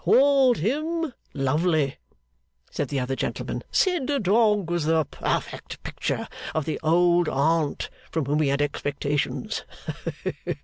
'Called him Lovely,' said the other gentleman. 'Said the Dog was the perfect picture of the old aunt from whom he had expectations.